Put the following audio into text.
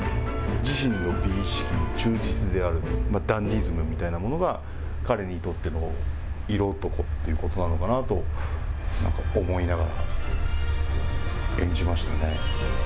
自身の美意識に忠実であるダンディズムみたいなものが彼にとっての色男っていうことなのかなと思いながら演じました。